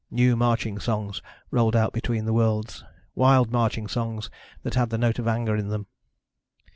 New marching songs rolled out between the worlds, wild marching songs that had the note of anger in them.